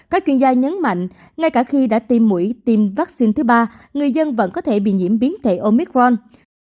các chuyên gia nhấn mạnh ngay cả khi đã tiêm mũi tiêm vaccine thứ ba người dân vẫn có thể bị nhiễm biến thể omicron